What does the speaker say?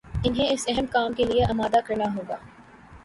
انہیں اس اہم کام کے لیے آمادہ کرنا ہو گا